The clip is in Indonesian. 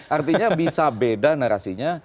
artinya bisa beda narasinya